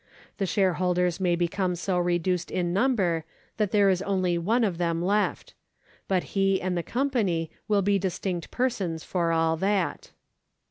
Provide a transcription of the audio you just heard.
The shareholders may become so reduced in number that there is only one of them left ; but he and the company will be distinct persons for all that.